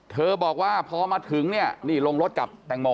เธอบอกว่าพอมาถึงนี่ลงรถกับแตงโม